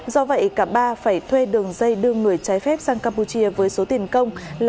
do vậy cả ba phải thuê đường dây đưa người trái phép sang campuchia với số tiền công là